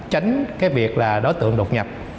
tránh cái việc là đối tượng đột nhập